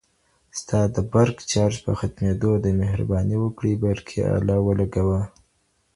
ستا د برق چارج په ختميدو دی، مهرباني وکړئ برقي آله ولګوه